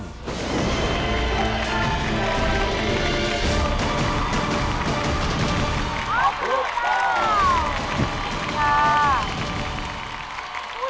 ขอบคุณค่ะ